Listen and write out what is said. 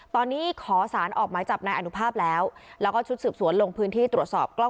ตอนนี้ขอสารออกไม้จับในอนุภาพแล้ว